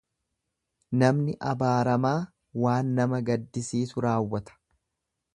Namni abaaramaa waan nama gaddisiisu raawwata.